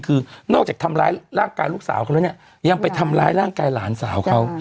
คือนอกจากทำร้ายร่างกายลูกสาวเขาแล้วเนี่ยยังไปทำร้ายร่างกายหลานสาวเขา